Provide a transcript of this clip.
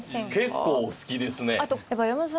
結構お好きですね。